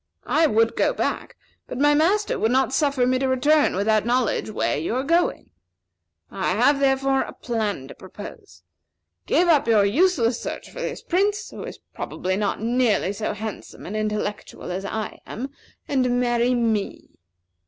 I would go back, but my master would not suffer me to return without knowing where you are going. I have, therefore, a plan to propose. Give up your useless search for this Prince, who is probably not nearly so handsome and intellectual as I am, and marry me.